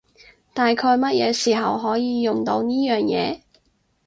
大概乜嘢時候可以用到呢樣嘢？